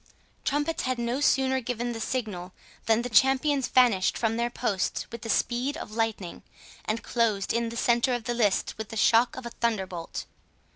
The trumpets had no sooner given the signal, than the champions vanished from their posts with the speed of lightning, and closed in the centre of the lists with the shock of a thunderbolt.